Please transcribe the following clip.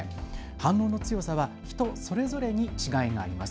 反応の強さは人それぞれに違いがあります。